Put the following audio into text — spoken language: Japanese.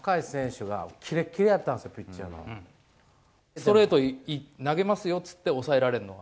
ストレートを投げますよと言って抑えられるんですよ。